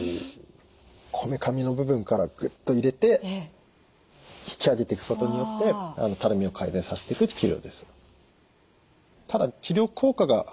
こめかみの部分からグッと入れて引き上げていくことによってたるみを改善させていく治療です。